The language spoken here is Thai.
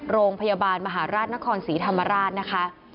โรงพยาบาลมหาราชนครศรีธรรมราชนะคะ